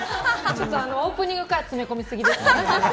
ちょっとオープニングから詰め込みすぎです。